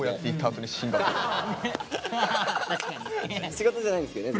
仕事じゃないんですけどね。